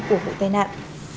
của vụ tai nạn